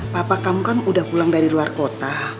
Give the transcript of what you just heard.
papa kamu kan udah pulang dari luar kota